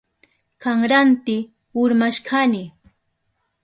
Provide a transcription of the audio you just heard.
Kanranti urmashkani.